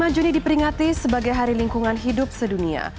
lima juni diperingati sebagai hari lingkungan hidup sedunia